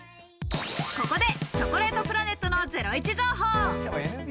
ここでチョコレートプラネットのゼロイチ情報。